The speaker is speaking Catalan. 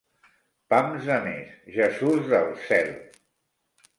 Pams de més, Jesús del cel!